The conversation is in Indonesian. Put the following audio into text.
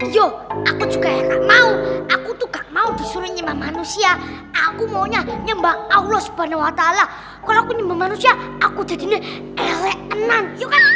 yo aku juga yang gak mau aku tuh gak mau disuruh nyembah manusia aku maunya nyembah allah subhanahu wa ta'ala kalau aku nyembah manusia aku jadinya eleenan yukat